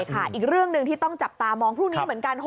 อีกเรื่องหนึ่งที่ต้องจับตามองพรุ่งนี้เหมือนกัน